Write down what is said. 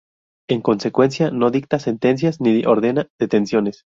En consecuencia, no dicta sentencias, ni ordena detenciones.